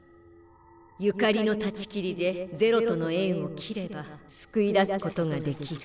所縁の断ち切りで是露との縁を斬れば救い出すことが出来る。